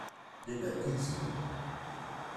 Lemmer kan zemreɣ...